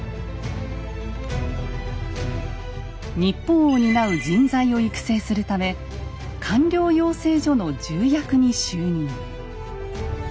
日本を担う人材を育成するため官僚養成所の重役に就任。